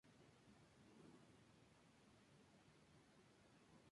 Es el primer sencillo de su segundo álbum, Machine.